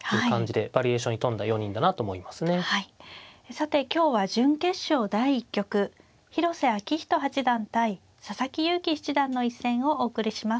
さて今日は準決勝第１局広瀬章人八段対佐々木勇気七段の一戦をお送りします。